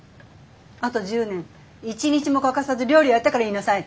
あと１０年一日も欠かさず料理をやってから言いなさい！